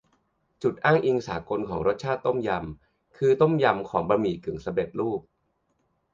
จุดอ้างอิงสากลของรสชาติต้มยำ คือต้มยำของบะหมี่กึ่งสำเร็จรูป